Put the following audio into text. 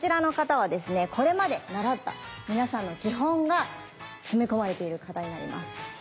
これまで習った皆さんの基本が詰め込まれている形になります。